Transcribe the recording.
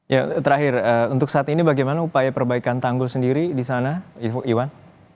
ya terakhir untuk saat ini bagaimana upaya perbaikan tanggul sendiri di sana iwan